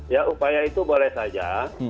ya upaya itu boleh saja